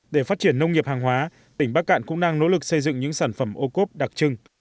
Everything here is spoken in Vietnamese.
để phát triển nông nghiệp hàng hóa tỉnh bắc cạn cũng đang nỗ lực xây dựng những sản phẩm ô cốp đặc trưng